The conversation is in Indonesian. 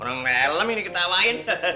orang melem ini ketawain